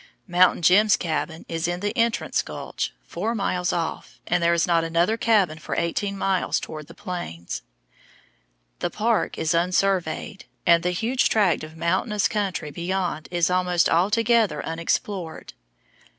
"Mountain Jim's" cabin is in the entrance gulch, four miles off, and there is not another cabin for eighteen miles toward the Plains. The park is unsurveyed, and the huge tract of mountainous country beyond is almost altogether unexplored.